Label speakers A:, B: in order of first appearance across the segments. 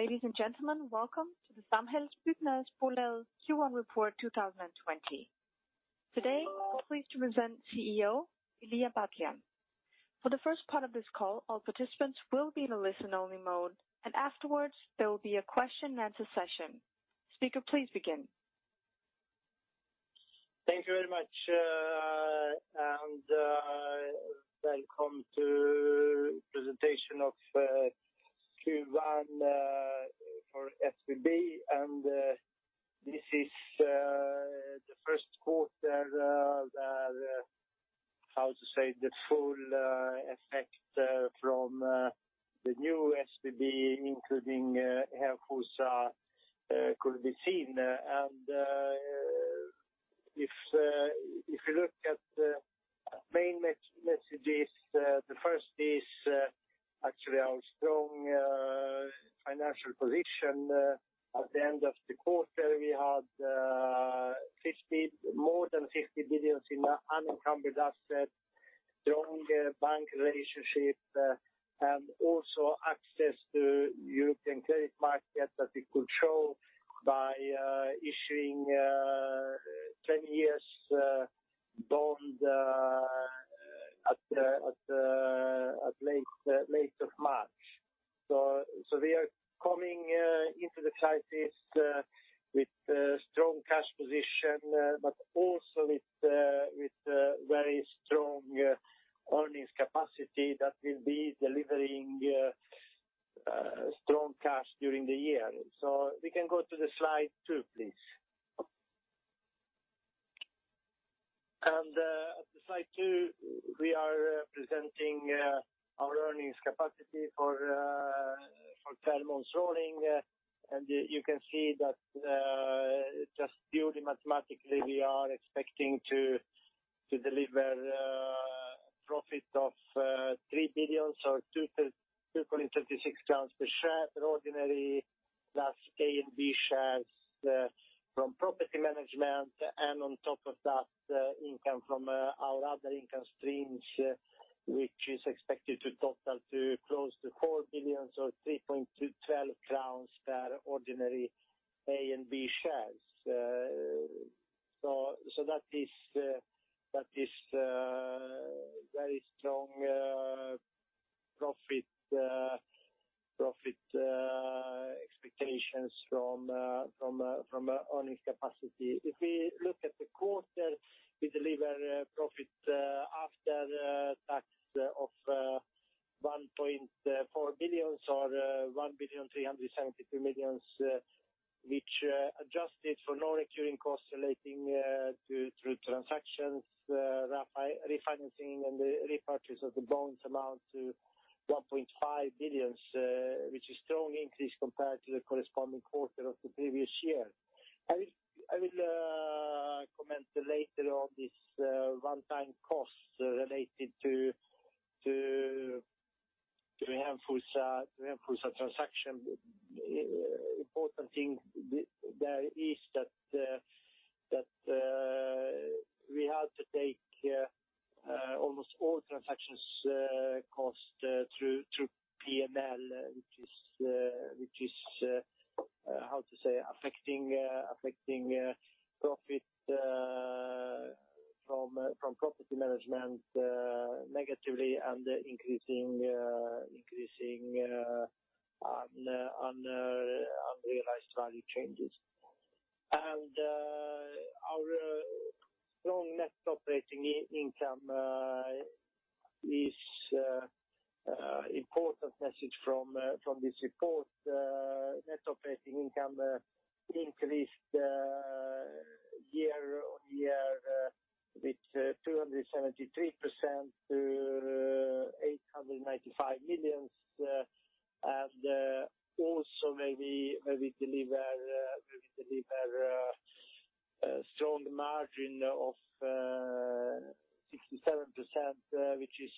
A: Ladies and gentlemen, welcome to the Samhällsbyggnadsbolaget Q1 Report 2020. Today, we're pleased to present CEO, Ilija Batljan. For the first part of this call, all participants will be in a listen-only mode, and afterwards there will be a question and answer session. Speaker, please begin.
B: Thank you very much. Welcome to presentation of Q1 for SBB. This is the first quarter, how to say, the full effect from the new SBB, including Hemfosa, could be seen. If you look at the main messages, the first is actually our strong financial position. At the end of the quarter, we had more than 50 billion in unencumbered assets, strong bank relationships, and also access to European credit markets that we could show by issuing 10-year bond at late of March. We are coming into the crisis with strong cash position, but also with very strong earnings capacity that will be delivering strong cash during the year. We can go to the slide two, please. At the slide two, we are presenting our earnings capacity for 12 months rolling. You can see that just purely mathematically, we are expecting to deliver profit of 3 billion or 2.36 crowns per share ordinary plus A and B shares from property management. On top of that, income from our other income streams, which is expected to total to close to 4 billion or 3.12 crowns per ordinary A and B shares. That is very strong profit expectations from earnings capacity. If we look at the quarter, we deliver profit after tax of 1.4 billion or 1,373 million, which adjusted for non-recurring costs relating to through transactions, refinancing and the repurchase of the bonds amount to 1.5 billion, which is strong increase compared to the corresponding quarter of the previous year. I will comment later on this one-time cost related to the Hemfosa transaction. Important thing there is that we had to take almost all transactions cost through P&L, which is affecting profit from property management negatively and increasing unrealized value changes. Our strong net operating income is important message from this report. Net operating income increased year-on-year with 273% to 895 million. Also where we deliver strong margin of 67%, which is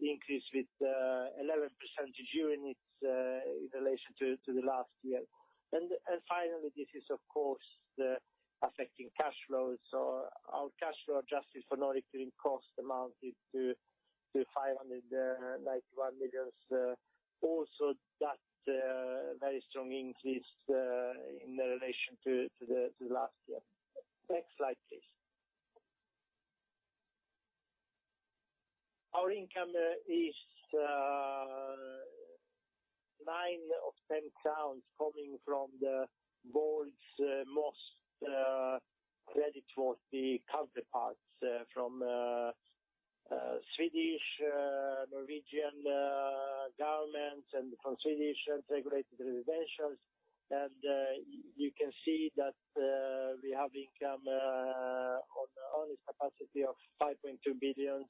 B: increased with 11 percentage units in relation to the last year. Finally, this is of course affecting cash flows. Our cash flow adjusted for non-recurring cost amounted to 591 million. Also that very strong increase in relation to the last year. Next slide, please. Our income is nine of 10 crowns coming from the world's most creditworthy counterparts from Swedish, Norwegian governments and from Swedish integrated residentials. You can see that we have income on earnings capacity of 5.2 billion,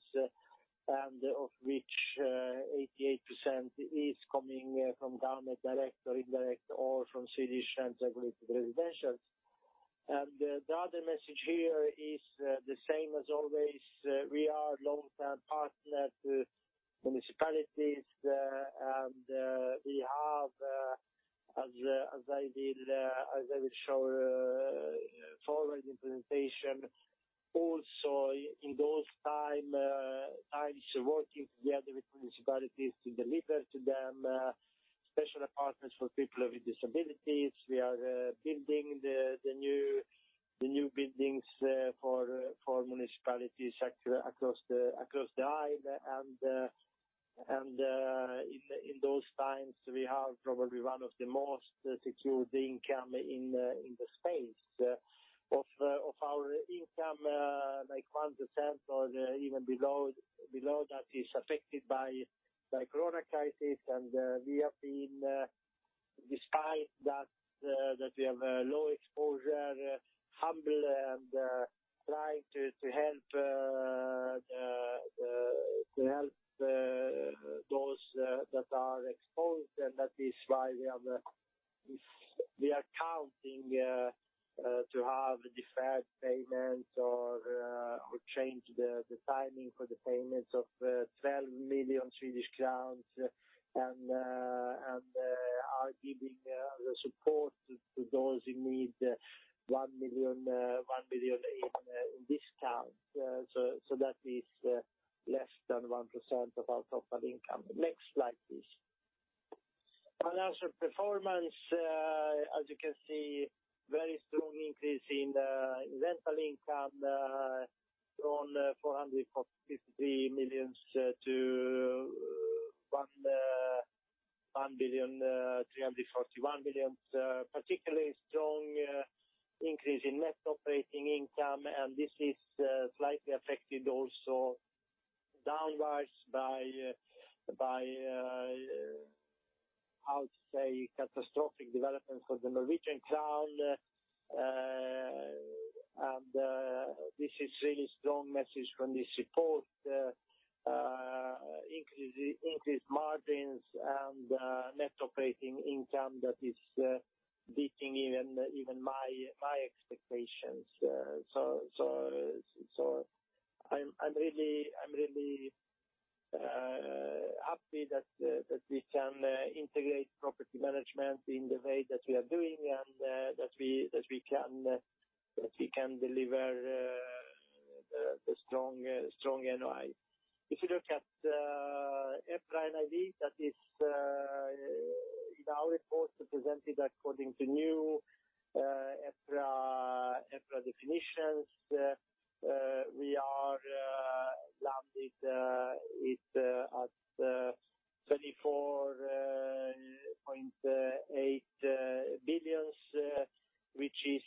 B: of which 88% is coming from government direct or indirect or from Swedish integrated residentials. The other message here is the same as always. We are long-term partner to municipalities, and we have, as I will show forward in presentation, also in those times, working together with municipalities to deliver to them special apartments for people with disabilities. We are building the new buildings for municipalities across the aisle. In those times, we have probably one of the most secured income in the space. Of our income, 1% or even below that is affected by coronavirus. Despite that we have a low exposure, we are humble and trying to help those that are exposed. That is why we are counting to have deferred payments or change the timing for the payments of 12 million Swedish crowns and are giving the support to those who need 1 million in discount. That is less than 1% of our total income. Next slide, please. Financial performance, as you can see, very strong increase in rental income from 453 million to 1 billion 341 million. Particularly strong increase in net operating income. This is slightly affected also downwards by, how to say, catastrophic development for the Norwegian krone. This is really strong message from this report. Increased margins and net operating income that is beating even my expectations. I'm really happy that we can integrate property management in the way that we are doing and that we can deliver a strong NOI. If you look at EPRA NAV, that is in our report presented according to new EPRA definitions. We are landed at 34.8 billion, which is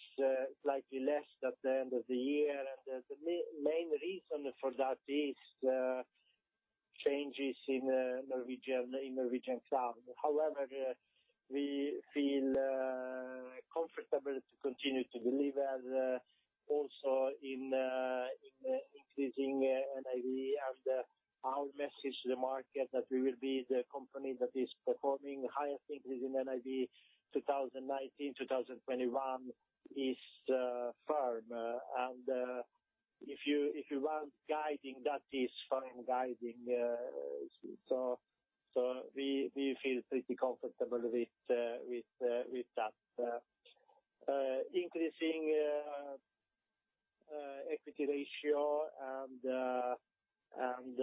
B: slightly less at the end of the year. The main reason for that is changes in Norwegian crown. However, we feel comfortable to continue to deliver also in increasing NAV and our message to the market that we will be the company that is performing highest increase in NAV 2019/2021 is firm. If you want guiding, that is firm guiding. We feel pretty comfortable with that. Increasing equity ratio and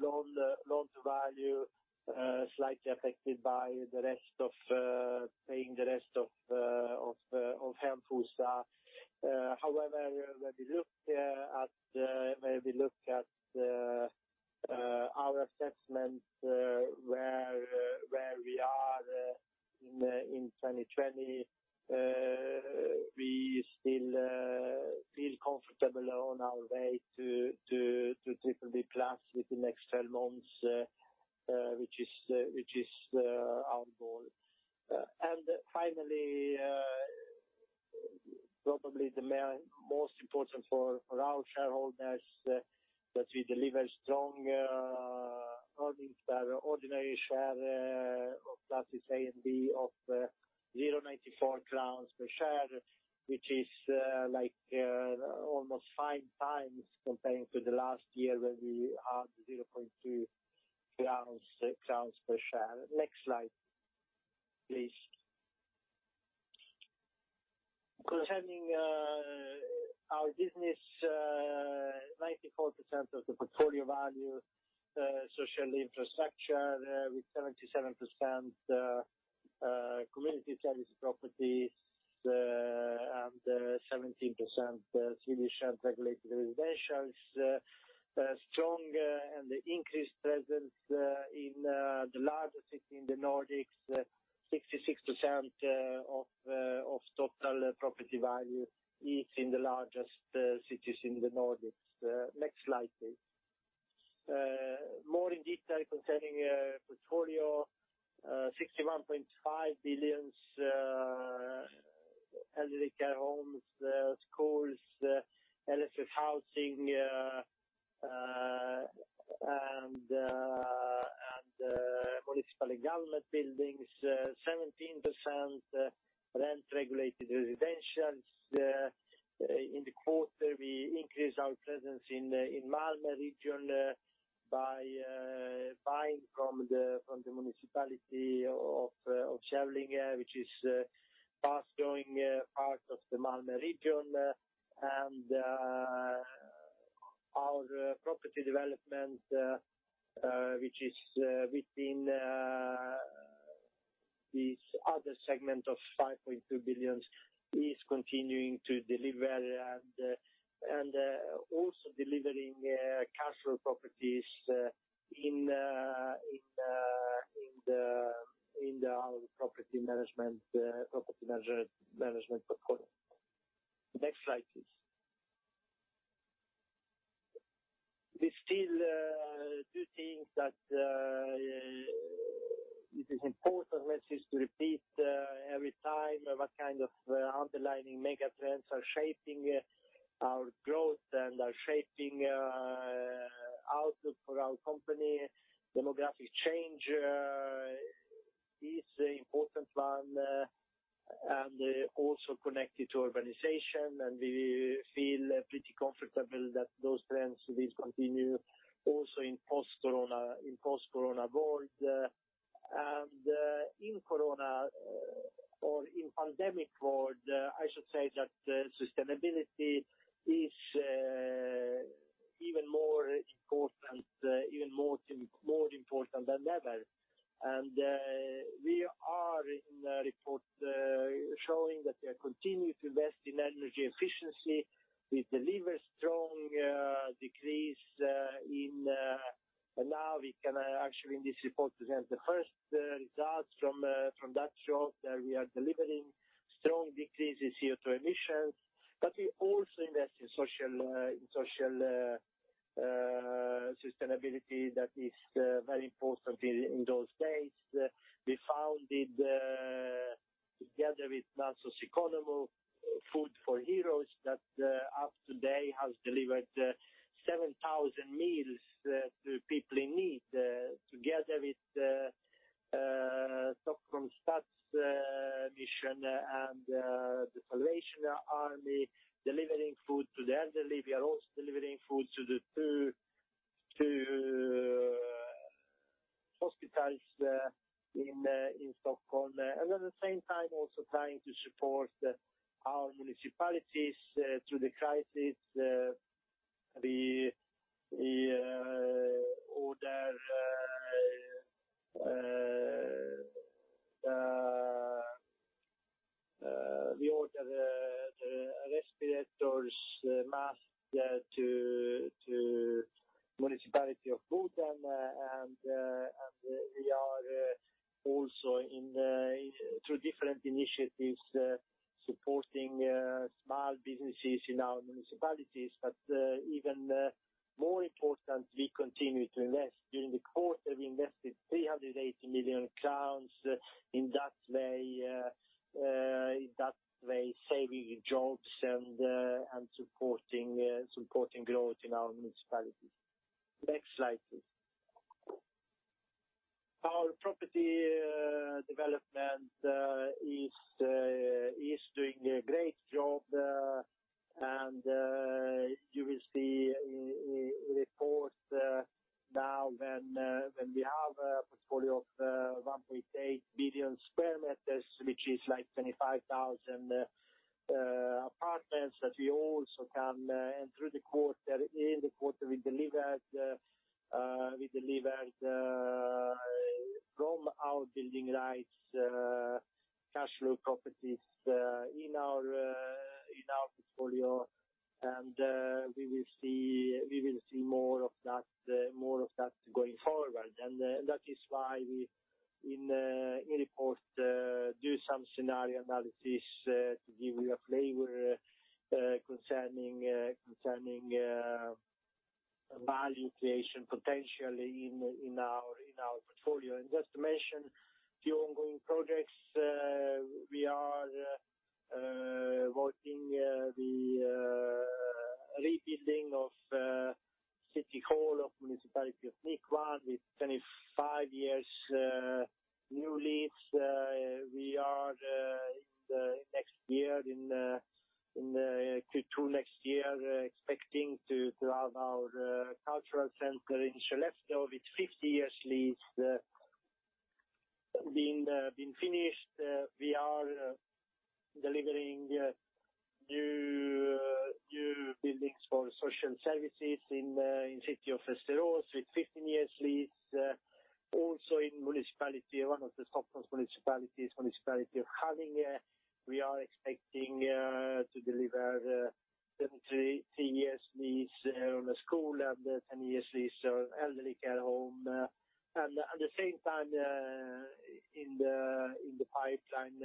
B: loan to value slightly affected by paying the rest of Hemfosa. However, when we look at our assessment where we are in 2020, we still feel comfortable on our way to BBB+ within the next 12 months, which is our goal. Finally, probably the most important for our shareholders, that we deliver strong earnings per ordinary share of classes A and B of 0.94 crowns per share, which is almost five times comparing to the last year when we had 0.2 per share. Next slide, please. Concerning our business, 94% of the portfolio value, social infrastructure with 77%, community service property and 17% Swedish rent-regulated residentials. Strong and increased presence in the largest city in the Nordics, 66% of total property value is in the largest cities in the Nordics. Next slide, please. More in detail concerning portfolio, SEK 61.5 billion elderly care homes, schools, LSS housing, and municipal government buildings, 17% rent-regulated residentials. In the quarter, we increased our presence in Malmö region by buying from the municipality of Kävlinge, which is a fast-growing part of the Malmö region. Our property development which is within this other segment of 5.2 billion, is continuing to deliver and also delivering casual properties in our property management portfolio. Next slide, please. There's still two things that it is important message to repeat every time what kind of underlying mega trends are shaping our growth and are shaping output for our company. Demographic change is important one and also connected to urbanization, and we feel pretty comfortable that those trends will continue also in post-COVID-19 world. In COVID-19 or in pandemic world, I should say that sustainability is even more important than ever. We are in the report showing that we are continuing to invest in energy efficiency. We deliver. Now we can actually in this report present the first results from that job that we are delivering strong decreases CO2 emissions. We also invest in social sustainability that is very important in those days. We founded together with Nasos Economou Food for Heroes that up to date has delivered 7,000 meals to people in need together with Stockholms Stadsmission and The Salvation Army delivering food to the elderly. At the same time also trying to support our municipalities through the crisis. We order respirators, masks to municipality of Gotland, and we are also through different initiatives supporting small businesses in our municipalities. Even more important, we continue to invest. During the quarter, we invested SEK 380 million in that way saving jobs and supporting growth in our municipalities. Next slide, please. Our property development is doing a great job. You will see in report now when we have a portfolio of 1.8 billion sq m, which is like 25,000 apartments. In the quarter we delivered from our building rights cash flow properties in our portfolio. We will see more of that going forward. That is why we in report do some scenario analysis to give you a flavor concerning value creation potentially in our portfolio. Just to mention the ongoing projects we are working the rebuilding of City Hall of municipality of Nykvarn with 25-year new lease. We are next year in two next year expecting to have our cultural center in Sollefteå with 50-year lease being finished. We are delivering new buildings for social services in city of Västerås with 15-year lease. In one of the Stockholm municipalities, municipality of Haninge we are expecting to deliver 17-year lease on a school and 10-year lease on elderly care home. At the same time in the pipeline,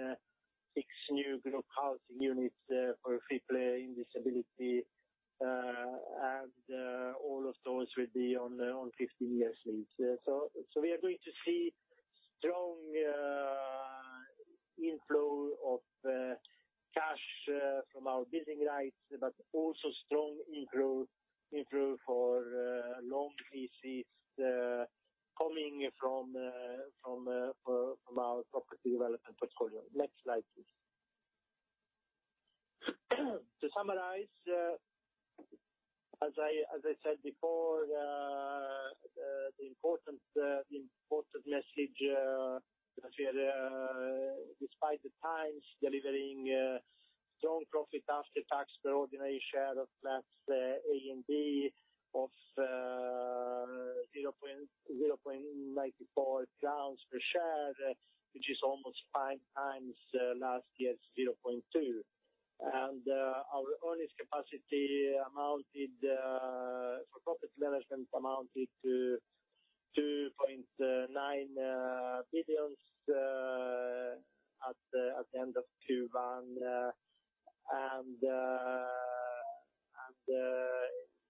B: six new group housing units for people in disability and all of those will be on 15-year lease. We are going to see strong inflow of cash from our building rights, but also strong inflow for long leases coming from our property development portfolio. Next slide, please. To summarize, as I said before, the important message is that despite the times, delivering strong profit after tax per ordinary share of that A and B of SEK 0.94 per share, which is almost five times last year's 0.2. Our earnings capacity amounted, for property management, to 2.9 billion at the end of Q1.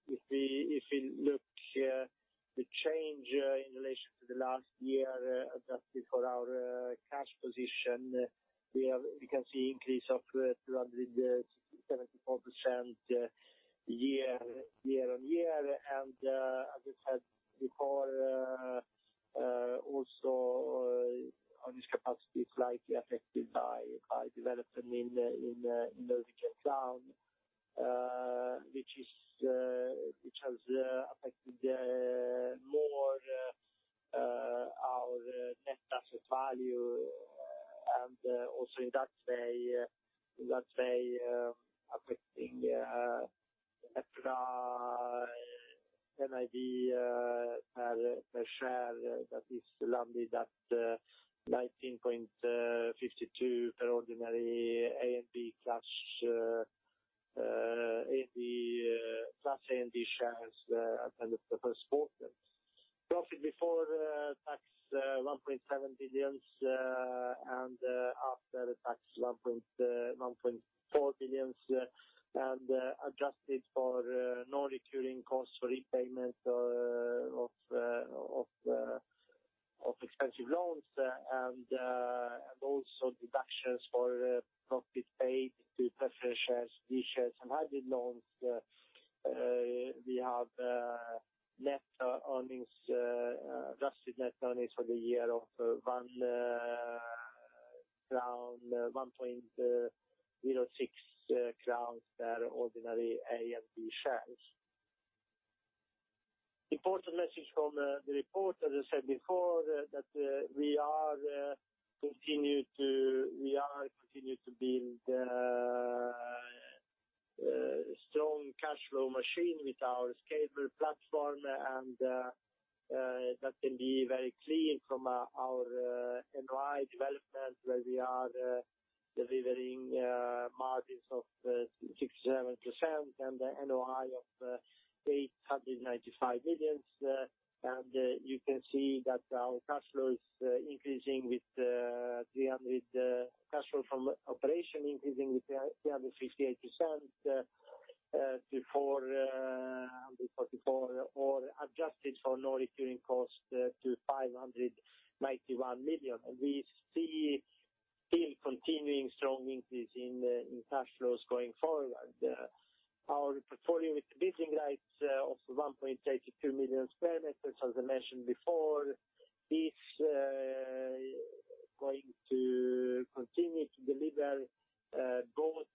B: If we look the change in relation to the last year adjusted for our cash position, we can see increase of 274% still continuing strong increase in cash flows going forward. Our portfolio with building rights of 1.32 million sq m, as I mentioned before, is going to continue to deliver both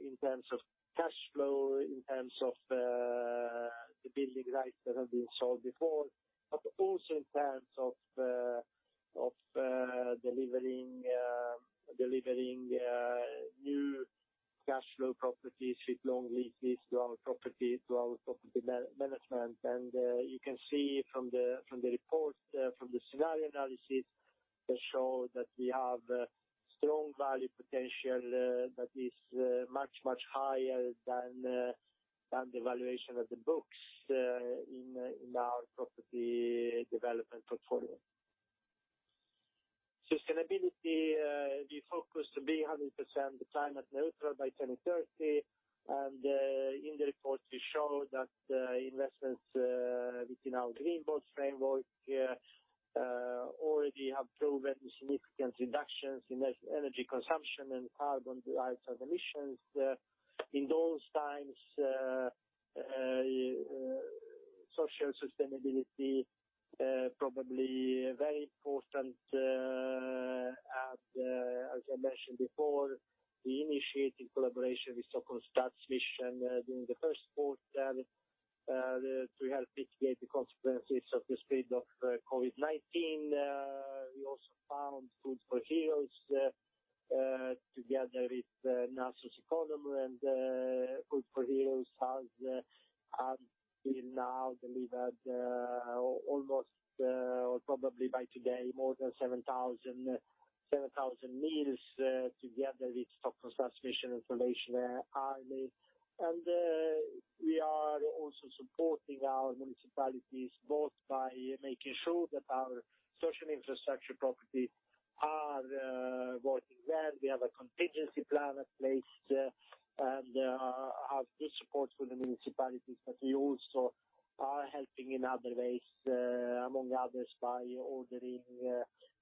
B: in terms of cash flow, in terms of the building rights that have been sold before, but also in terms of delivering new cash flow properties with long leases to our property management. You can see from the report, from the scenario analysis that show that we have strong value potential that is much, much higher than the valuation of the books in our property development portfolio. Sustainability, we focus to be 100% climate neutral by 2030. In the report we show that investments within our Green Bonds framework already have proven significant reductions in energy consumption and carbon dioxide emissions. In those times, social sustainability probably very important. As I mentioned before, we initiate in collaboration with Stockholm Stadsmission during the first quarter to help mitigate the consequences of the spread of COVID-19. We also found Food for Heroes together with Nasos Economou, and Food for Heroes has until now delivered almost or probably by today more than 7,000 meals together with Stockholm Stadsmission and Salvation Army. We are also supporting our municipalities both by making sure that our social infrastructure properties are working well. We have a contingency plan in place and have good support for the municipalities. We also are helping in other ways, among others by ordering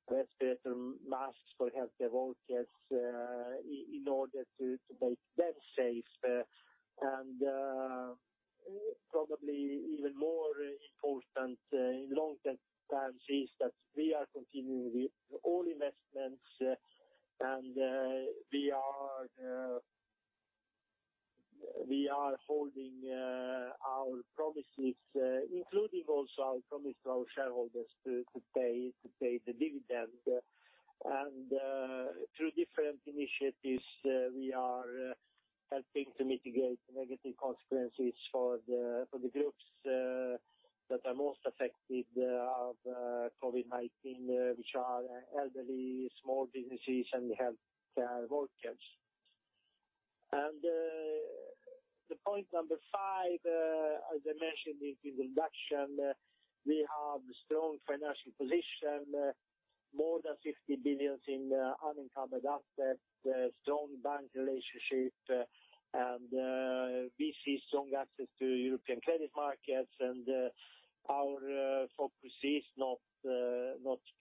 B: respirator masks for healthcare workers in order to make them safe. Probably even more important in long-term plans is that we are continuing with all investments. We are holding our promises, including also our promise to our shareholders to pay the dividend. Through different initiatives, we are helping to mitigate negative consequences for the groups that are most affected of COVID-19, which are elderly, small businesses, and we have workers. The point five, as I mentioned in introduction, we have a strong financial position, more than 50 billion in unencumbered assets, strong bank relationship, and we see strong access to European credit markets, and our focus is not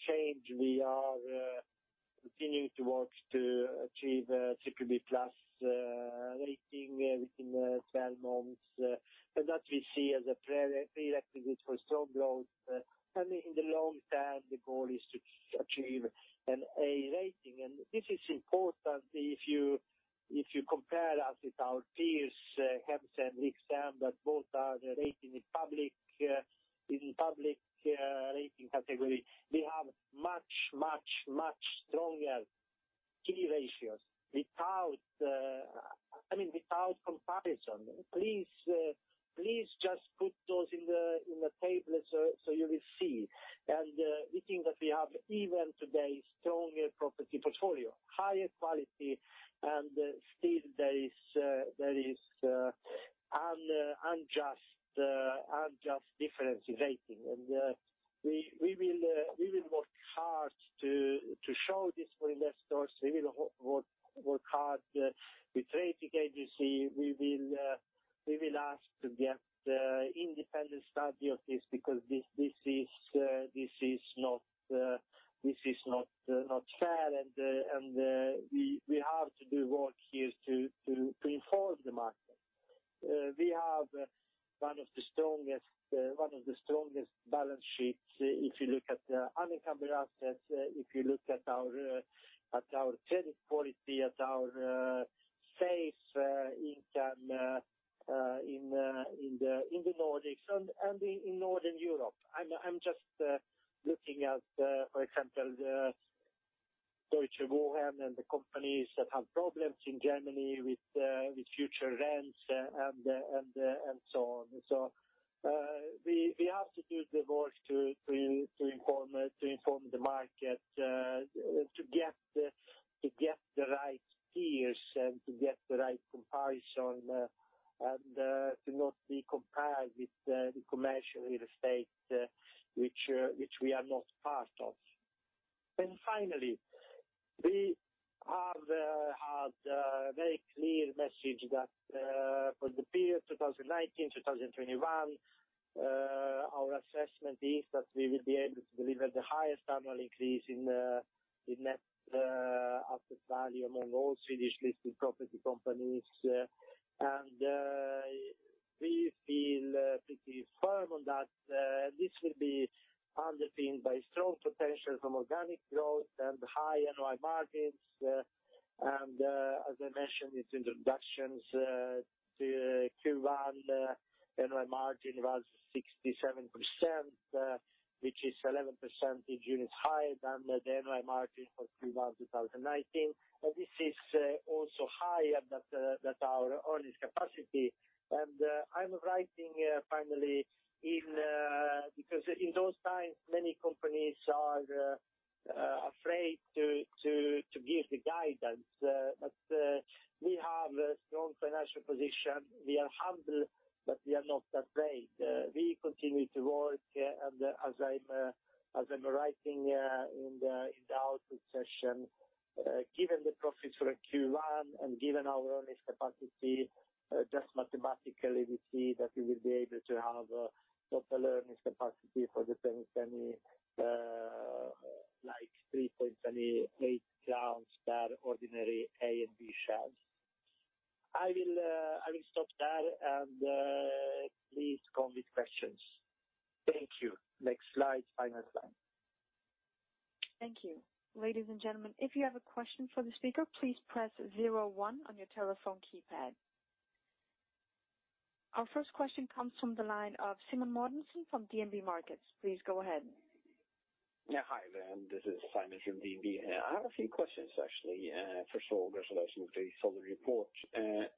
B: changed. We are continuing to work to achieve BBB+ rating within 12 months. That we see as a prerequisite for strong growth, and in the long term, the goal is to achieve an A rating. This is important if you compare us with our peers, Hemsö and Rikshem, that both are rated in public rating category. We have much stronger key ratios without comparison. Please just put those in the table so you will see. We think that we have even today stronger property portfolio, higher quality, and still there is unjust difference in rating. We will work hard to show this for investors. We will work hard with rating agency. We will ask to get independent study of this because this is not fair, and we have to do work here to inform the market. We have one of the strongest balance sheets, if you look at unencumbered assets, if you look at our credit quality, at our safe income in the Nordics and in Northern Europe. I'm just looking at, for example, Deutsche Wohnen and the companies that have problems in Germany with future rents and so on. We have to do the work to inform the market, to get the right peers and to get the right comparison, and to not be compared with the commercial real estate, which we are not part of. Finally, we have had a very clear message that for the period 2019-2021, our assessment is that we will be able to deliver the highest annual increase in net asset value among all Swedish-listed property companies. We feel pretty firm on that. This will be underpinned by strong potential from organic growth and high NOI margins. As I mentioned its introductions to Q1, NOI margin was 67%, which is 11 percentage units higher than the NOI margin for Q1 2019. This is also higher than our earnings capacity. I'm writing here finally, because in those times, many companies are afraid to give the guidance. We have a strong financial position. We are humble, but we are not afraid. We continue to work, and as I'm writing in the outlook session, given the profits for Q1 and given our earnings capacity, just mathematically, we see that we will be able to have total earnings capacity for the 2020, like SEK 3.28 per ordinary A and B shares. I will stop there, and please come with questions. Thank you. Next slide, final slide.
A: Thank you. Ladies and gentlemen, if you have a question for the speaker, please press zero one on your telephone keypad. Our first question comes from the line of Simen Mortensen from DNB Markets. Please go ahead.
C: Yeah. Hi there, this is Simen from DNB. I have a few questions, actually. First of all, congratulations on the solid report.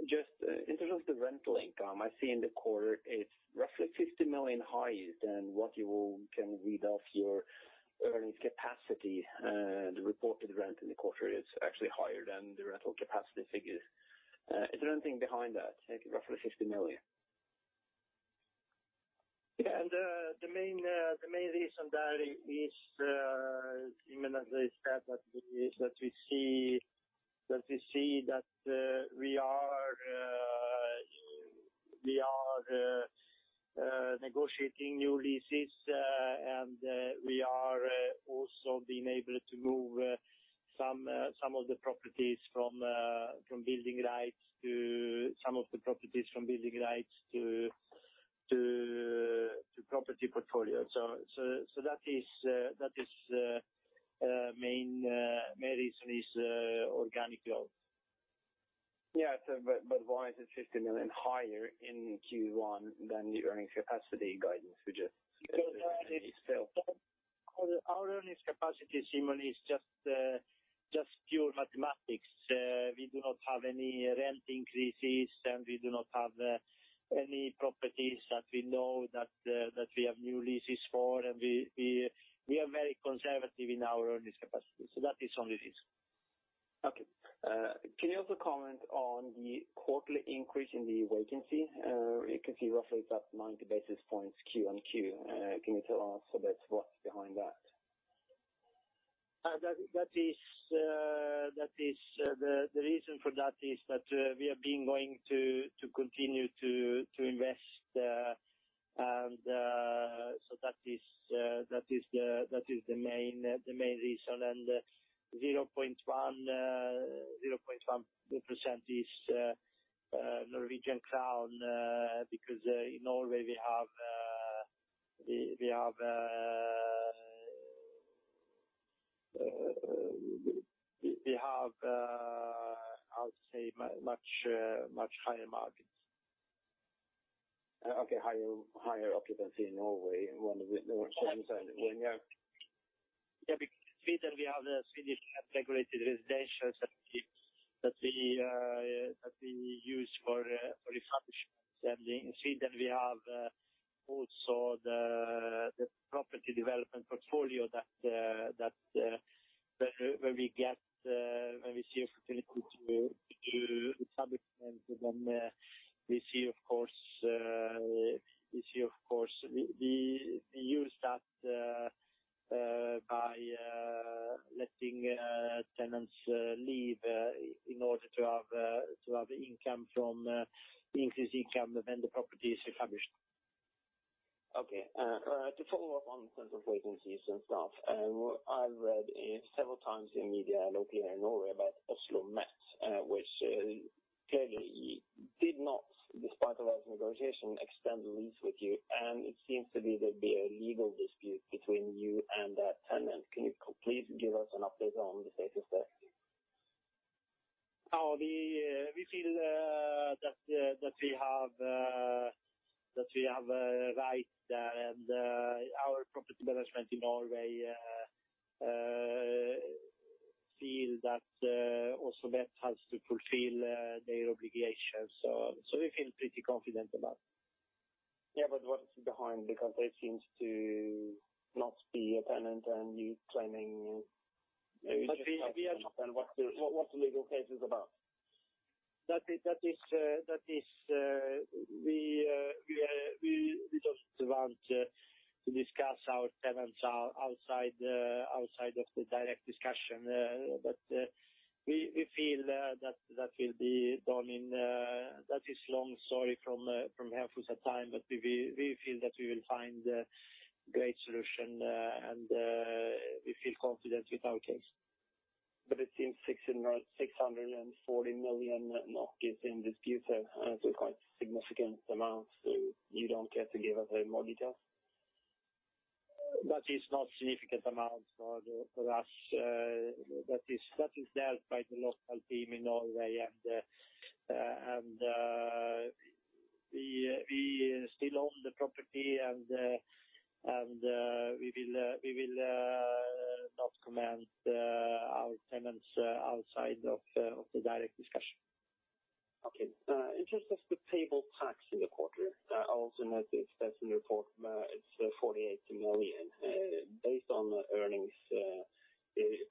C: Just in terms of the rent link, I see in the quarter it's roughly 50 million higher than what you can read off your earnings capacity. The reported rent in the quarter is actually higher than the rental capacity figures. Is there anything behind that, roughly 50 million?
B: Yeah. The main reason there is, Simen, as I said, that we see that we are negotiating new leases. We are also being able to move some of the properties from building rights to property portfolio. That is the main reason is organic growth.
C: Yeah. Why is it 50 million higher in Q1 than your earnings capacity guidance you just gave?
B: Our earnings capacity, Simen, is just pure mathematics. We do not have any rent increases, and we do not have any properties that we know that we have new leases for. We are very conservative in our earnings capacity. That is only this.
C: Okay. Can you also comment on the quarterly increase in the vacancy? You can see roughly it is up 90 basis points Q on Q. Can you tell us a bit what is behind that?
B: The reason for that is that we are going to continue to invest. That is the main reason and 0.1% is Norwegian krone, because in Norway we have, how to say, much higher markets.
C: Okay. Higher occupancy in Norway.
B: Yeah. Because in Sweden we have the Swedish regulated residential that we use for refurbishments. In Sweden we have also the property development portfolio that when we see a facility to do establishment, then we use that by letting tenants leave in order to have increased income when the property is refurbished.
C: Okay. To follow up on in terms of vacancies and stuff. I read several times in media locally in Norway about OsloMet which clearly did not, despite of those negotiations, extend the lease with you, and it seems to be there'd be a legal dispute between you and that tenant. Can you please give us an update on the status there?
B: We feel that we have a right there and our property management in Norway feel that also OsloMet has to fulfill their obligations. We feel pretty confident about it.
C: Yeah. What's behind because they seems to not be a tenant?
B: But we are-
C: What the legal case is about.
B: We just want to discuss our tenants outside of the direct discussion. We feel that is long story from Hemfosa a time, but we feel that we will find a great solution, and we feel confident with our case.
C: It seems 640 million NOK is in dispute and it's a quite significant amount. You don't care to give us any more detail?
B: That is not significant amount for us. That is dealt by the local team in Norway and we still own the property and we will not comment our tenants outside of the direct discussion.
C: Okay. In terms of the payable tax in the quarter, I also note it says in the report it is SEK 48 million. Based on earnings,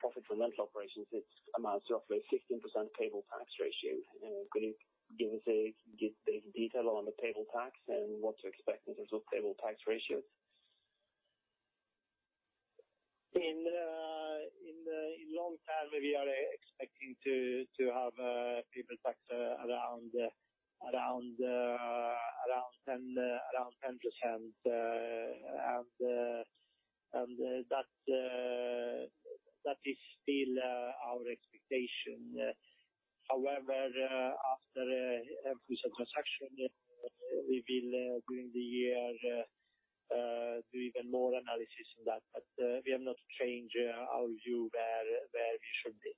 C: profit from rental operations, it amounts to roughly 16% payable tax ratio. Could you give us a detail on the payable tax and what to expect in terms of payable tax ratios?
B: In long term, we are expecting to have payable tax around 10%. That is still our expectation. However, after Hemfosa transaction we will, during the year, do even more analysis on that. We have not changed our view where we should be.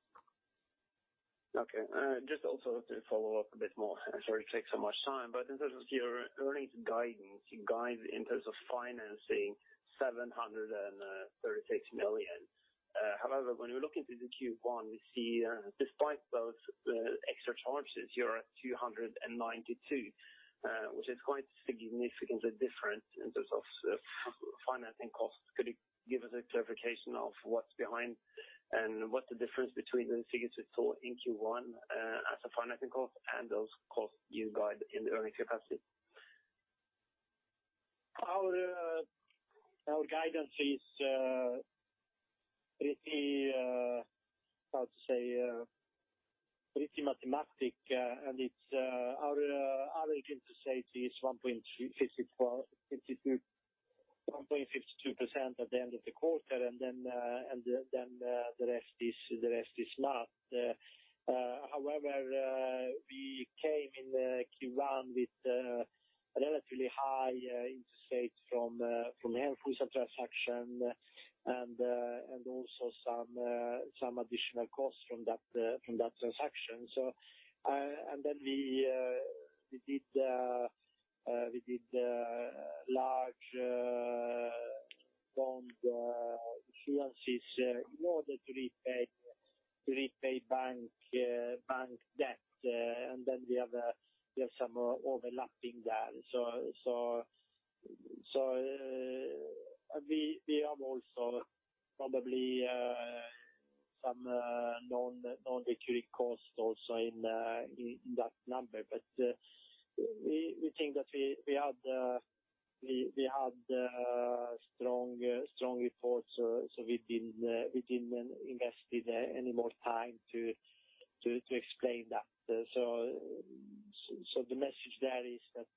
C: Just also to follow up a bit more. Sorry to take so much time. In terms of your earnings guidance, you guide in terms of financing 736 million. When we look into the Q1, we see despite those extra charges, you're at 292, which is quite significantly different in terms of financing costs. Could you give us a clarification of what's behind and what the difference between those figures we saw in Q1 as a financing cost and those costs you guide in the earnings capacity?
B: Our guidance is pretty mathematic. Our interest rate is 1.52% at the end of the quarter, the rest is not. However, we came in Q1 with a relatively high interest rate from the Nyfosa transaction and also some additional costs from that transaction. We did large bond issuances in order to repay bank debt, we have some overlapping there. We have also probably some non-recurring costs also in that number. We think that we had a strong report, we didn't invest any more time to explain that. The message there is that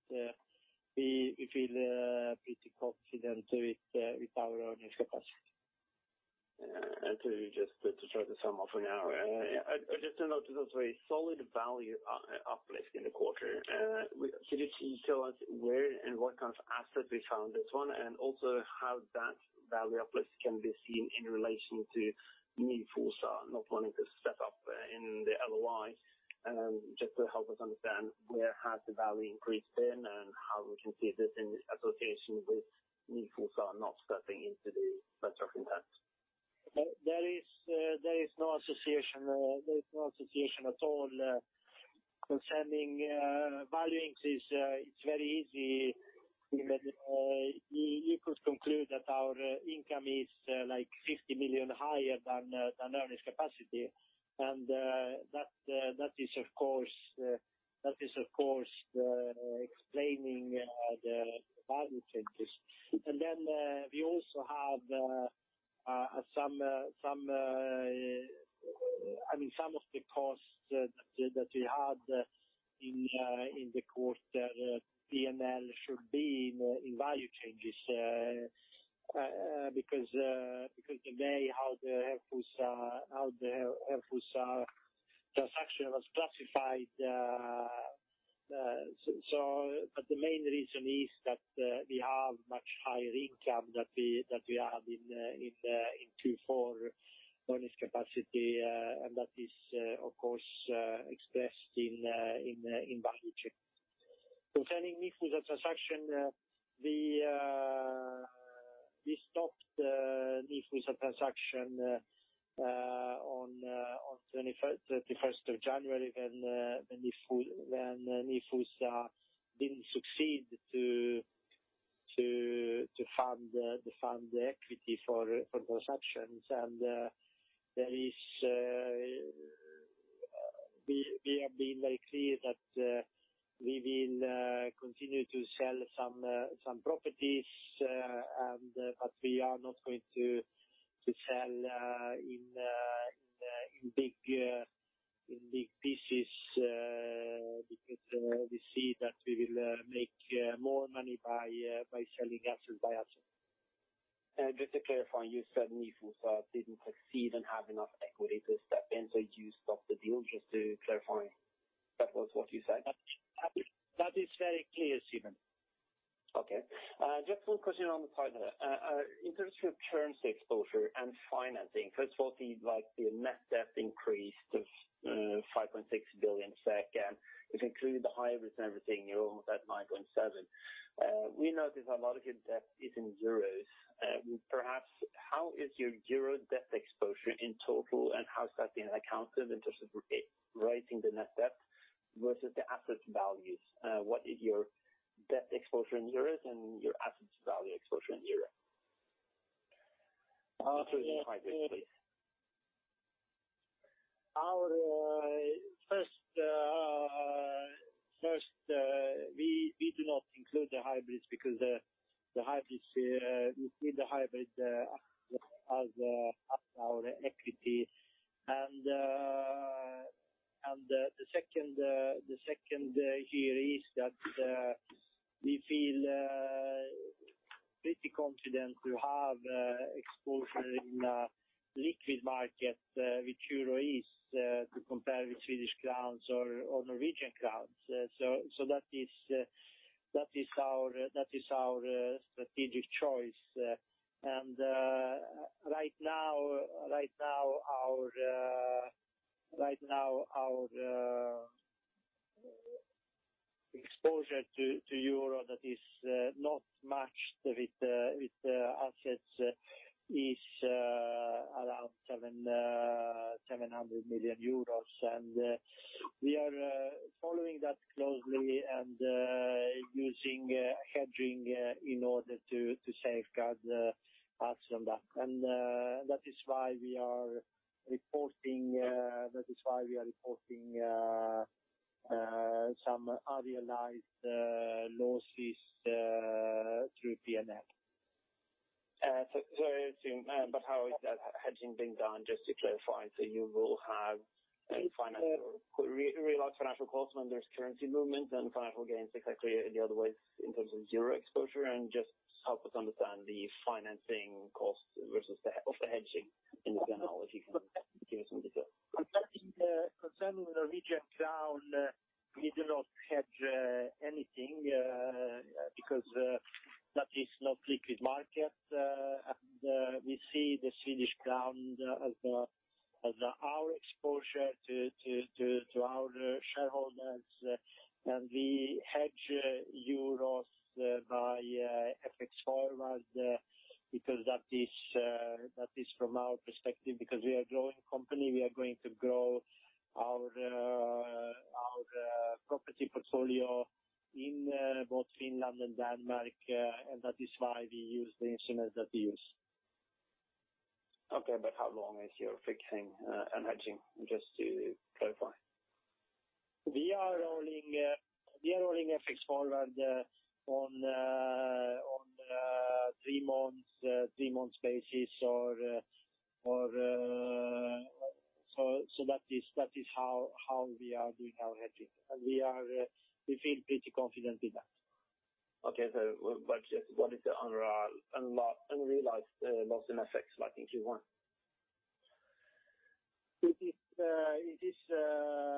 B: we feel pretty confident with our earnings capacity.
C: To try to sum up now. I just noticed a very solid value uplift in the quarter. Could you tell us where and what kind of asset we found this one, and also how that value uplift can be seen in relation to Nyfosa not wanting to step up in the LOI? Just to help us understand where has the value increased been and how we can see this in association with Nyfosa not stepping into the transaction.
B: There is no association at all concerning value increases. It's very easy. You could conclude that our income is 50 million higher than earnings capacity. That is, of course, explaining the value changes. We also have some of the costs that we had in the quarter P&L should be in value changes, because the way how the Nyfosa transaction was classified. The main reason is that we have much higher income that we had in Q4 earnings capacity, and that is, of course, expressed in value change. Concerning Nyfosa transaction, we stopped the Nyfosa transaction on 31st of January when Nyfosa didn't succeed to fund the equity for those actions. We have been very clear that we will continue to sell some properties, but we are not going to sell in big pieces, because we see that we will make more money by selling assets by assets.
C: Just to clarify, you said Nyfosa didn't succeed and have enough equity to step in, so you stopped the deal. Just to clarify that was what you said.
B: That is very clear, Simen.
C: Okay. Just one question on the side. In terms of currency exposure and financing, first of all, the net debt increased of 5.6 billion SEK, and if you include the hybrids and everything, you're almost at 9.7 billion. We noticed a lot of your debt is in euro. Perhaps, how is your euro debt exposure in total, and how is that being accounted in terms of writing the net debt versus the assets values? What is your debt exposure in euro and your assets value exposure in euro? Including the hybrids, please.
B: First, we do not include the hybrids because we treat the hybrid as our equity. The second here is that we feel pretty confident to have exposure in a liquid market, which euro is, to compare with Swedish krone or Norwegian krone. That is our strategic choice. Right now our exposure to euro that is not matched with assets is around 700 million euros. We are following that closely and using hedging in order to safeguard us from that. That is why we are reporting some realized losses through P&L.
C: Sorry to interrupt you. How is that hedging being done, just to clarify? You will have realized financial costs when there's currency movement and financial gains exactly the other way in terms of zero exposure. Just help us understand the financing cost versus the hedging in general, if you can give me some details.
B: Concerning the Norwegian krone, we do not hedge anything, because that is not liquid market. We see the Swedish krone as our exposure to our shareholders. We hedge euros by FX forward, because that is from our perspective, because we are a growing company, we are going to grow our property portfolio in both Finland and Denmark, and that is why we use the instruments that we use.
C: Okay. How long is your fixing and hedging, just to clarify?
B: We are rolling FX forward on three months basis. That is how we are doing our hedging. We feel pretty confident with that.
C: Okay. Just what is the unrealized loss in FX like in Q1?
B: It is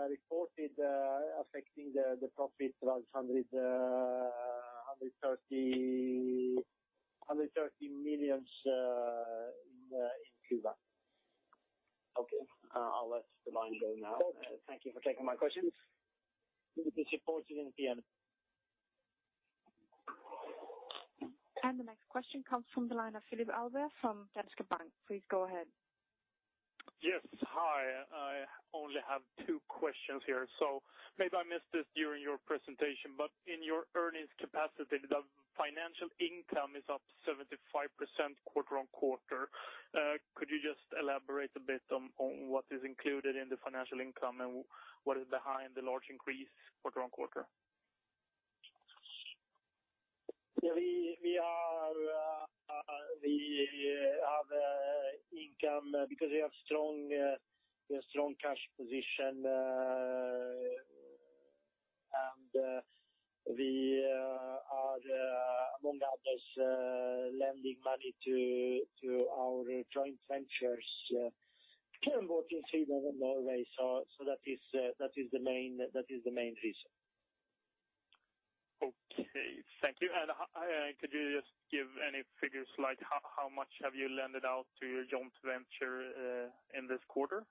B: reported affecting the profit SEK 130 million in Q1.
C: Okay. I'll let the line go now.
B: Okay.
C: Thank you for taking my questions.
B: It is reported in P&L.
A: The next question comes from the line of Philip Hallberg from Danske Bank. Please go ahead.
D: Yes, hi. I only have two questions here. Maybe I missed this during your presentation, but in your earnings capacity, the financial income is up 75% quarter-on-quarter. Could you just elaborate a bit on what is included in the financial income and what is behind the large increase quarter-on-quarter?
B: We have income because we have a strong cash position, and we are, among others, lending money to our joint ventures, both in Sweden and Norway. That is the main reason.
D: Okay, thank you. Could you just give any figures, like how much have you lended out to your joint venture in this quarter?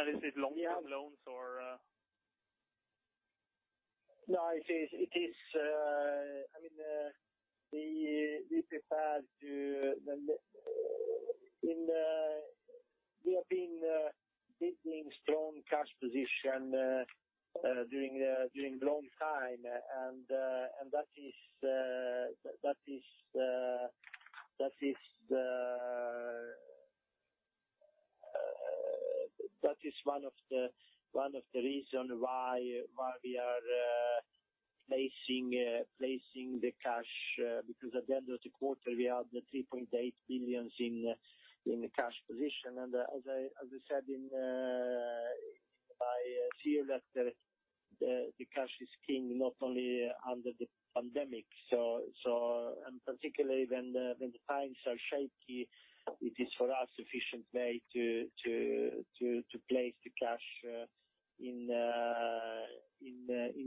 D: Is it long-term loans or?
B: No, we have been building strong cash position during long time, that is one of the reasons why we are placing the cash. At the end of the quarter, we had 3.8 billion in cash position. As I said in my CEO letter, the cash is king, not only under the pandemic. Particularly when the times are shaky, it is for us efficient way to place the cash in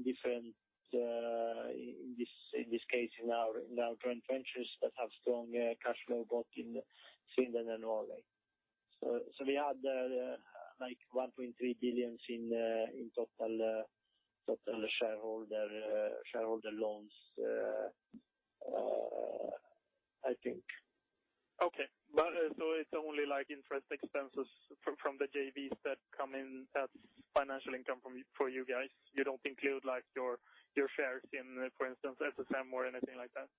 B: different, in this case, in our joint ventures that have strong cash flow, both in Sweden and Norway. We had like 1.3 billion in total shareholder loans, I think.
D: Okay. It's only interest expenses from the JVs that come in, that's financial income for you guys. You don't include your shares in, for instance, SSM or anything like that?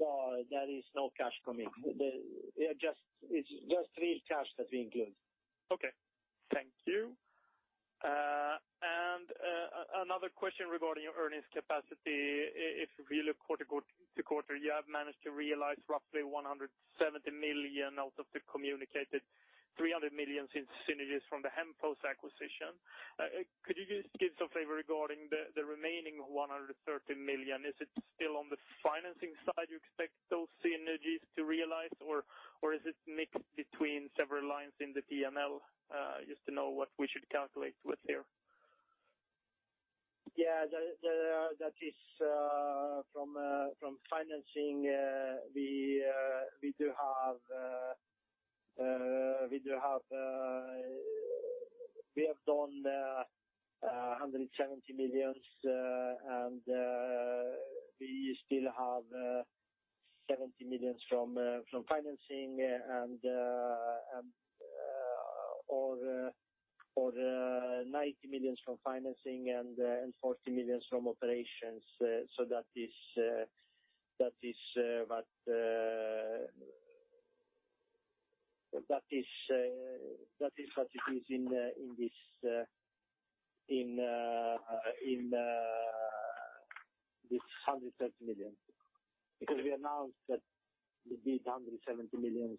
B: No, there is no cash coming. It's just real cash that we include.
D: Okay. Thank you. Another question regarding your earnings capacity. If you look quarter to quarter, you have managed to realize roughly 170 million out of the communicated 300 million in synergies from the Hemfosa acquisition. Could you just give us a favor regarding the remaining 130 million? Is it still on the financing side you expect those synergies to realize, or is it mixed between several lines in the P&L? Just to know what we should calculate with here.
B: Yeah. That is from financing, we have done 170 million. We still have 90 million from financing and 40 million from operations. That is what it is in this 130 million. We announced that we did 170 million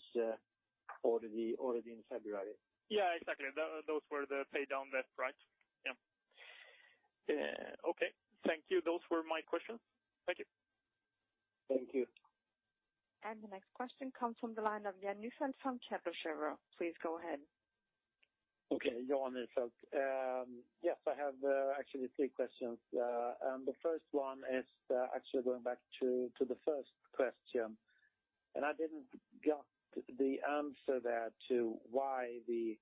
B: already in February.
D: Yeah, exactly. Those were the pay down net price. Yeah. Okay. Thank you. Those were my questions. Thank you.
B: Thank you.
A: The next question comes from the line of Jan Ihrfelt from Kepler Cheuvreux. Please go ahead.
E: Okay. Jan Ihrfelt. Yes, I have actually three questions. The first one is actually going back to the first question, I didn't get the answer there to why the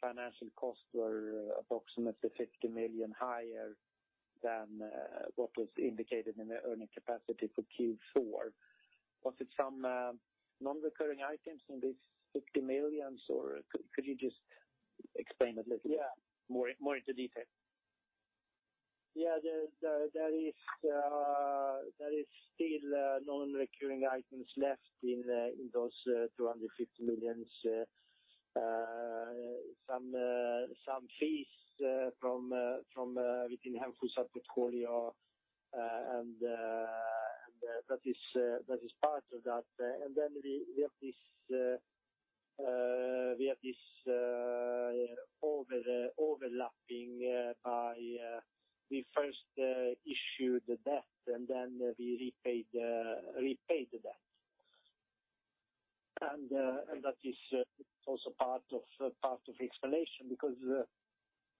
E: financial costs were approximately 50 million higher than what was indicated in the earning capacity for Q4. Was it some non-recurring items in this 50 million or could you just explain a little bit more into detail?
B: Yeah. There is still non-recurring items left in those 250 million. Some fees from within Hemfosa portfolio, that is part of that. Then we have this overlapping by we first issued the debt, then we repaid the debt. That is also part of explanation because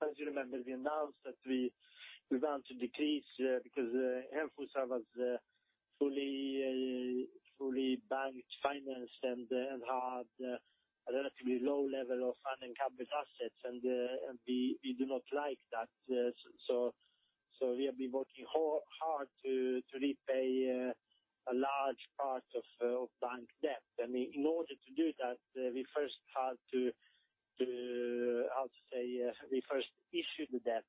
B: as you remember, we announced that we want to decrease because Hemfosa was fully bank-financed and had a relatively low level of funding capital assets. We do not like that. We have been working hard to repay a large part of bank debt. In order to do that, how to say, we first issued the debt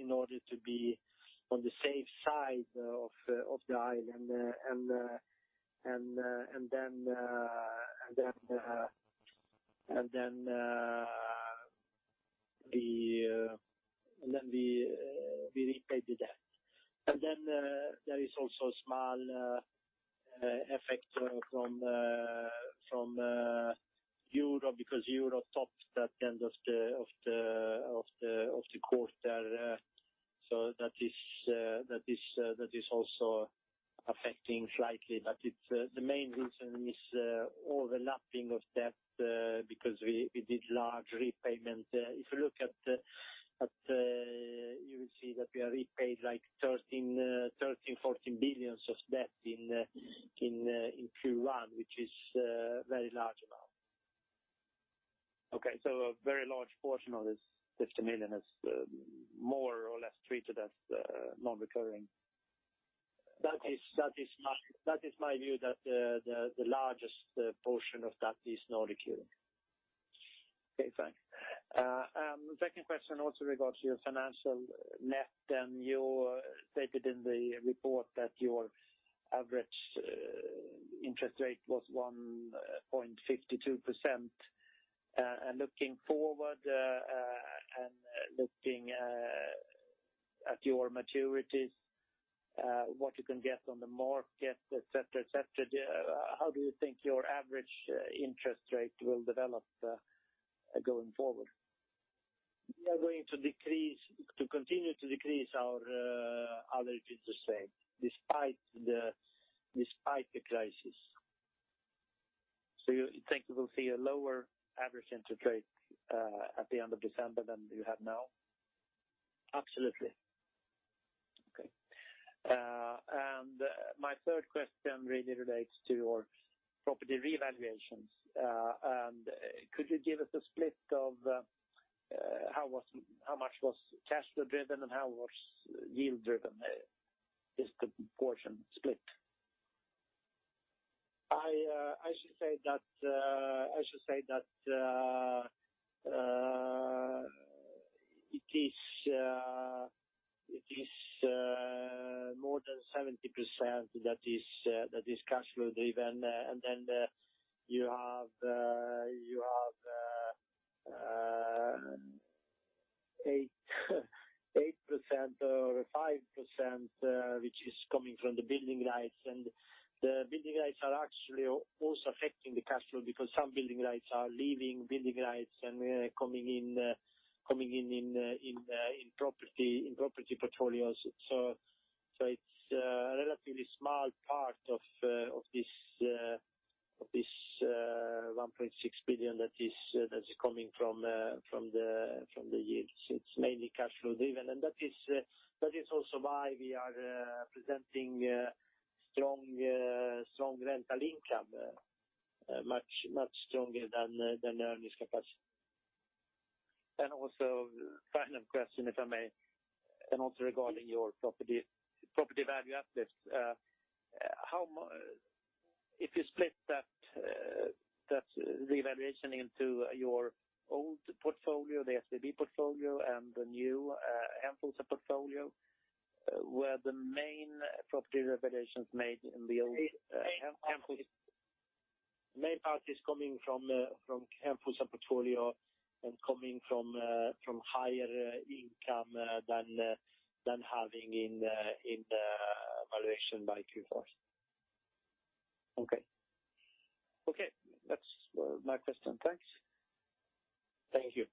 B: in order to be on the safe side of the aisle then we repaid the debt. Then there is also a small effect from Euro because Euro stopped at the end of the quarter. That is also affecting slightly. The main reason is overlapping of debt because we did large repayment. If you look you will see that we have repaid 13 billion, 14 billion of debt in Q1, which is a very large amount.
E: Okay. A very large portion of this 50 million is more or less treated as non-recurring.
B: That is my view that the largest portion of that is non-recurring.
E: Okay, thanks. Second question also regards your financial net, and you stated in the report that your average interest rate was 1.52%. Looking forward and looking at your maturities, what you can get on the market, et cetera, how do you think your average interest rate will develop going forward?
B: We are going to continue to decrease our interest rate despite the crisis.
E: You think we will see a lower average interest rate at the end of December than you have now?
B: Absolutely.
E: Okay. My third question really relates to your property revaluations. Could you give us a split of how much was cash flow driven and how much was yield driven? This portion split.
B: I should say that it is more than 70% that is cash flow driven. Then you have 8% or 5% which is coming from the building rights. The building rights are actually also affecting the cash flow because some building rights are leaving building rights and coming in property portfolios. It's a relatively small part of this 1.6 billion that is coming from the yields. It's mainly cash flow driven. That is also why we are presenting strong rental income, much stronger than earnings capacity.
E: Also final question, if I may, and also regarding your property value uplift, if you split that revaluation into your old portfolio, the SBB portfolio and the new Hemfosa portfolio.
B: Where the main property revaluations made in the old Hemfosa. Main part is coming from Hemfosa and portfolio and coming from higher income than having in the valuation by Q4.
E: Okay. That's my question. Thanks.
B: Thank you.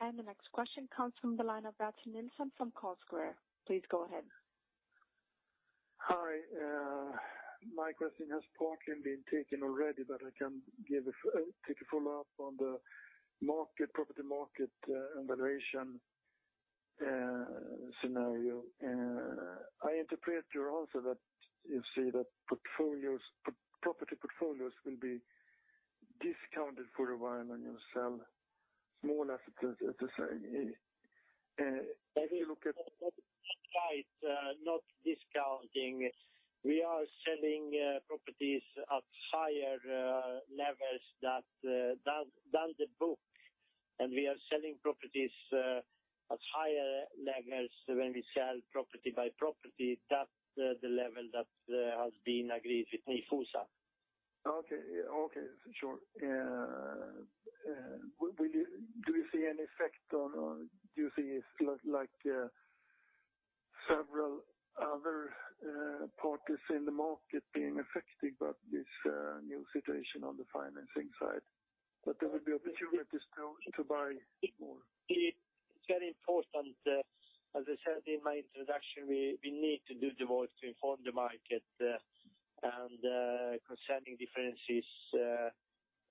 A: The next question comes from the line of Bertil Nilsson from Carlsquare. Please go ahead.
F: Hi. My question has partly been taken already. I can take a follow-up on the property market and valuation scenario. I interpret your answer that you say that property portfolios will be discounted for a while and you sell small assets, let us say.
B: Not quite. Not discounting. We are selling properties at higher levels than the book, and we are selling properties at higher levels when we sell property by property. That's the level that has been agreed with Nyfosa.
F: Okay. Sure. Do you see it like several other parties in the market being affected by this new situation on the financing side? There will be opportunities to buy more.
B: It's very important. As I said in my introduction, we need to do the work to inform the market, concerning differences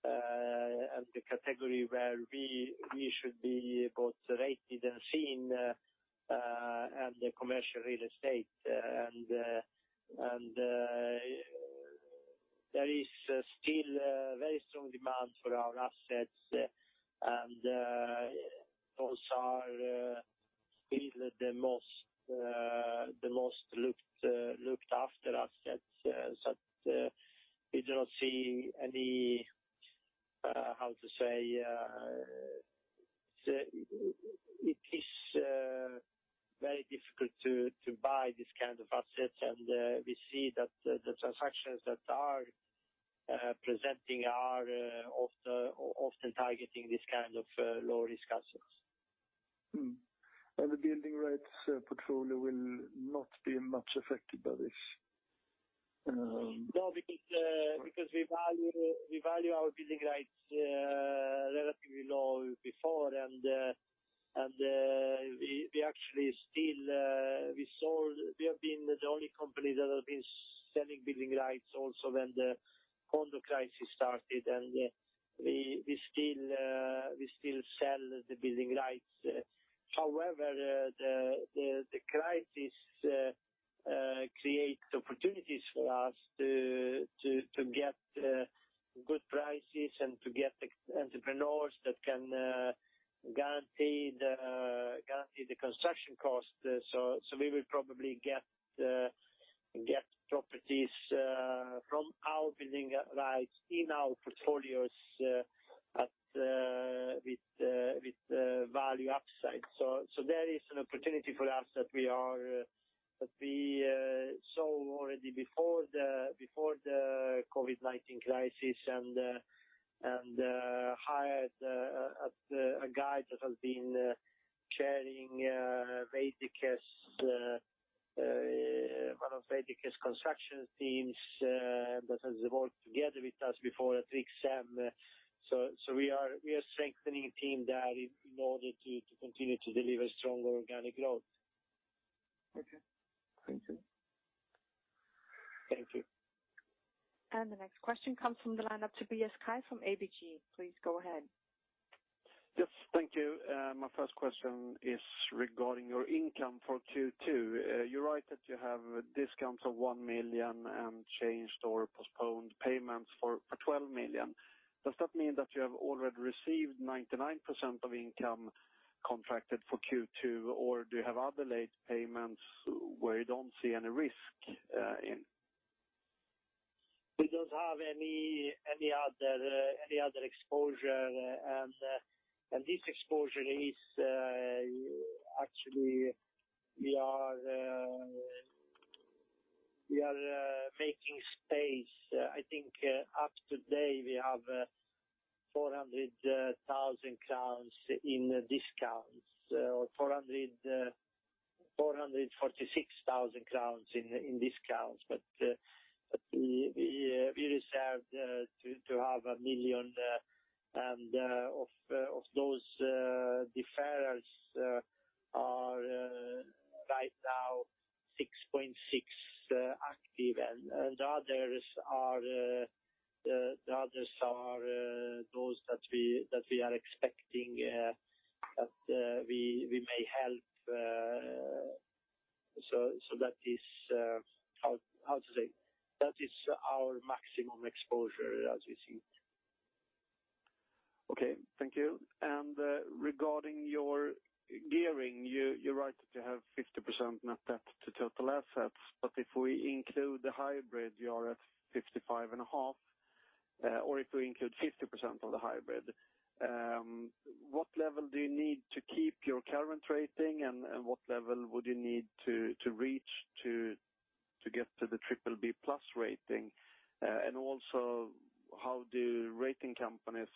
B: and the category where we should be both rated and seen at the commercial real estate. There is still a very strong demand for our assets and those are still the most looked after assets. We do not see any, how to say. It is very difficult to buy these kind of assets, and we see that the transactions that are presenting are often targeting these kind of low-risk assets.
F: The building rights portfolio will not be much affected by this?
B: No, because we value our building rights relatively low before and we have been the only company that has been selling building rights also when the condo crisis started, and we still sell the building rights. However, the crisis creates opportunities for us to get good prices and to get entrepreneurs that can guarantee the construction cost. We will probably get properties from our building rights in our portfolios with value upside. There is an opportunity for us that we saw already before the COVID-19 crisis and hired a guy that has been chairing one of Veidekke's construction teams that has worked together with us before at 3XN. We are strengthening team there in order to continue to deliver stronger organic growth.
F: Okay. Thank you.
B: Thank you.
A: The next question comes from the line of Tobias Kaj from ABG. Please go ahead.
G: Yes. Thank you. My first question is regarding your income for Q2. You write that you have discounts of 1 million and changed or postponed payments for 12 million. Does that mean that you have already received 99% of income contracted for Q2? Do you have other late payments where you don't see any risk in?
B: We don't have any other exposure, and this exposure is actually we are making space. I think up to date we have 400,000 crowns in discounts or 446,000 crowns in discounts. We reserved to have 1 million, and of those deferrals are right now 6.6 active and the others are those that we are expecting that we may help. That is our maximum exposure as you see.
G: Okay. Thank you. Regarding your gearing, you write that you have 50% net debt to total assets, but if we include the hybrid, you are at 55.5%. If we include 50% of the hybrid. What level do you need to keep your current rating, and what level would you need to reach to get to the BBB+ rating? Also how do rating companies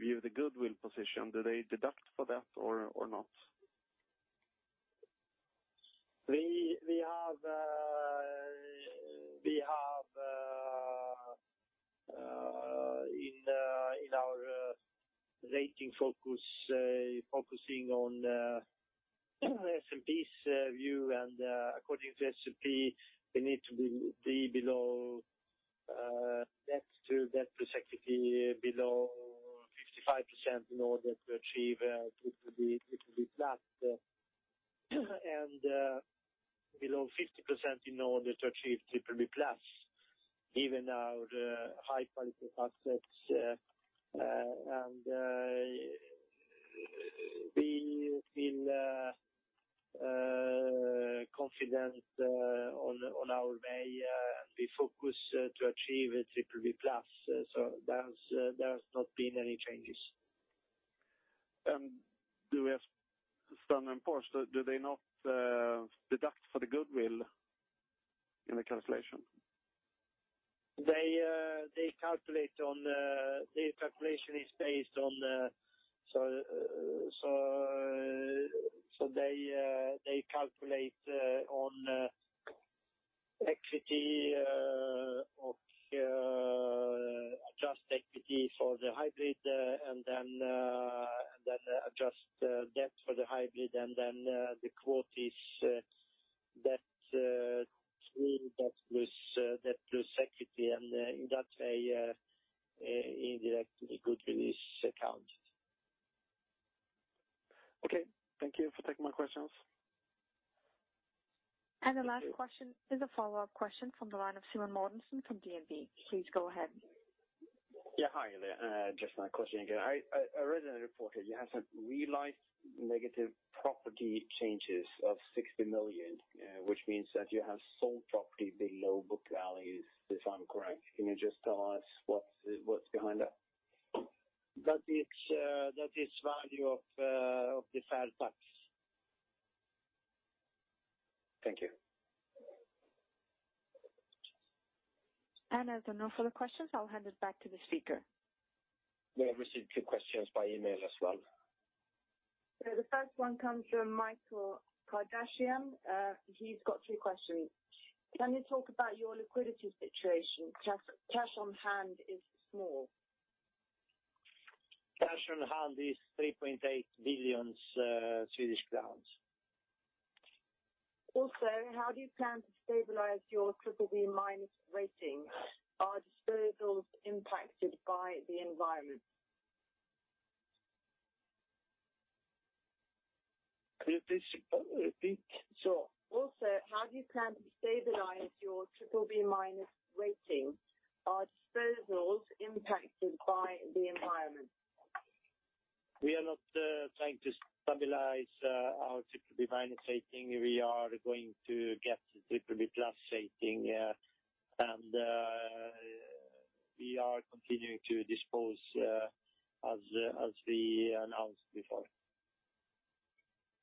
G: view the goodwill position? Do they deduct for that or not?
B: We have in our rating focusing on S&P's view. According to S&P, we need to be below debt to equity below 55% in order to achieve BBB+. Below 50% in order to achieve BBB+, given our high-quality assets. There has not been any changes.
G: Do we have Standard & Poor's, do they not deduct for the goodwill in the calculation?
B: Their calculation is based on. They calculate on equity or adjust equity for the hybrid and then adjust debt for the hybrid and then the quote is debt plus equity, and in that way, indirectly, goodwill is accounted.
G: Okay. Thank you for taking my questions.
A: The last question is a follow-up question from the line of Simen Mortensen from DNB. Please go ahead.
C: Yeah. Hi there. Just my question again. I read in the report that you have some realized negative property changes of 60 million, which means that you have sold property below book values, if I'm correct? Can you just tell us what's behind that?
B: That is value of the fair tax.
C: Thank you.
A: As there are no further questions, I'll hand it back to the speaker.
B: We have received two questions by email as well.
H: The first one comes from Michael Kardashian. He's got three questions. Can you talk about your liquidity situation? Cash on hand is small.
B: Cash on hand is 3.8 billion Swedish crowns.
H: How do you plan to stabilize your BBB- rating? Are disposals impacted by the environment?
B: Could you repeat?
H: Sure. How do you plan to stabilize your BBB- rating? Are disposals impacted by the environment?
B: We are not trying to stabilize our BBB- rating. We are going to get BBB+ rating. We are continuing to dispose as we announced before.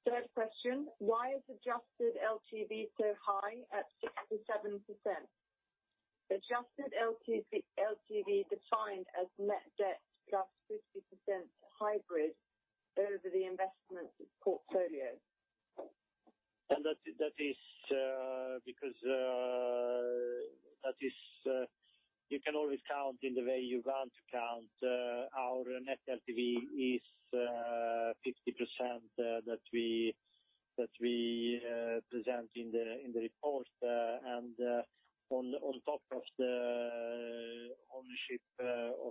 H: Third question, why is adjusted LTV so high at 67%? Adjusted LTV defined as net debt plus 50% hybrid over the investment portfolio.
B: That is because you can always count in the way you want to count. Our net LTV is 50% that we present in the report. On top of the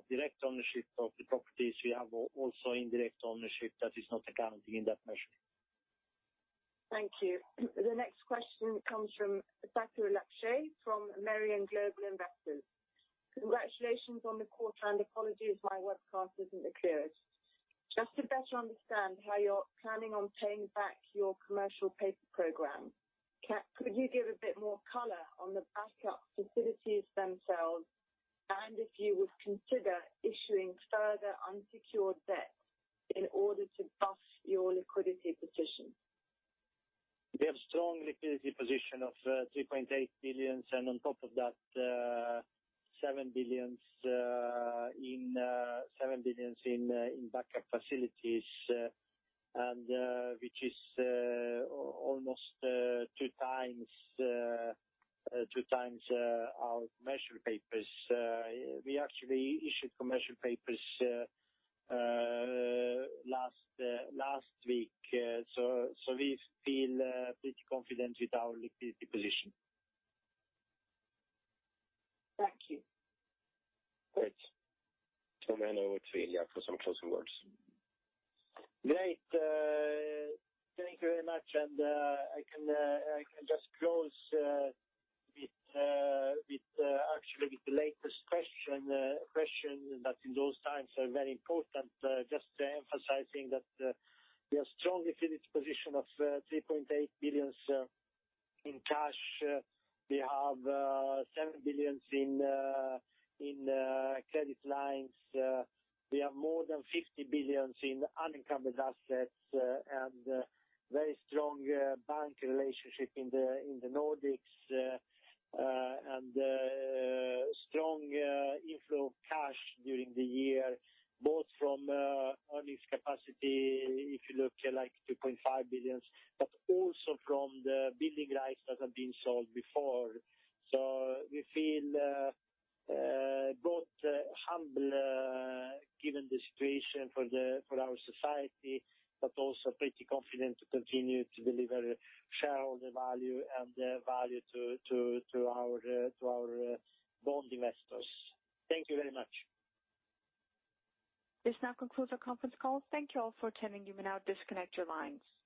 B: direct ownership of the properties, we have also indirect ownership that is not accounting in that measure.
H: Thank you. The next question comes from Thakur Lakshay from Merian Global Investors. Congratulations on the quarter, and apologies if my webcast isn't the clearest. Just to better understand how you're planning on paying back your commercial paper program, could you give a bit more color on the backup facilities themselves, and if you would consider issuing further unsecured debt in order to buff your liquidity position?
B: We have strong liquidity position of 3.8 billion, and on top of that SEK 7 billion in backup facilities, and which is almost two times our commercial papers. We actually issued commercial papers last week. We feel pretty confident with our liquidity position.
H: Thank you.
B: Great. Thank you very much. I can just close with actually the latest question that in those times are very important. Just emphasizing that we have strong liquidity position of 3.8 billion in cash. We have 7 billion in credit lines. We have more than 50 billion in unencumbered assets and very strong bank relationship in the Nordics, and strong inflow of cash during the year, both from earnings capacity, if you look at 2.5 billion, but also from the building rights that have been sold before. We feel both humble given the situation for our society, but also pretty confident to continue to deliver shareholder value and value to our bond investors. Thank you very much.
A: This now concludes our conference call. Thank you all for attending. You may now disconnect your lines.